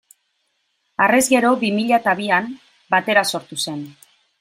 Harrez gero, bi mila eta bian, Batera sortu zen.